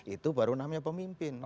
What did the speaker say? itu baru namanya pemimpin